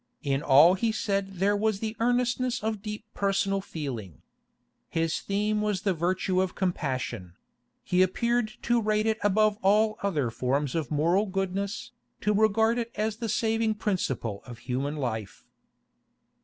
In all he said there was the earnestness of deep personal feeling. His theme was the virtue of Compassion; he appeared to rate it above all other forms of moral goodness, to regard it as the saving principle of human life.